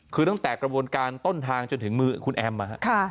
คือตั้งแต่กระบวนการต้นทางจนถึงมือคุณแอมนะครับ